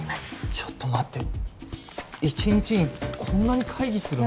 ちょっと待って１日にこんなに会議するの？